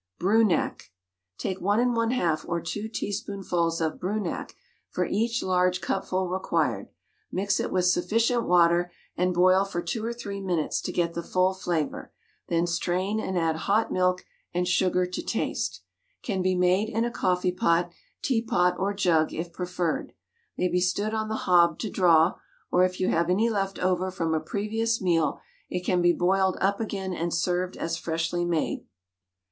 BRUNAK. Take 1 1/2 or 2 teaspoonfuls of Brunak for each large cupful required, mix it with sufficient water, and boil for 2 or 3 minutes to get the full flavour, then strain and add hot milk and sugar to taste. Can be made in a coffee pot, teapot, or jug if preferred. May be stood on the hob to draw; or if you have any left over from a previous meal it can be boiled up again and served as freshly made.